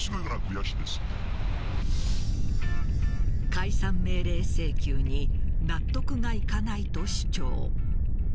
解散命令請求に納得がいかないと主張。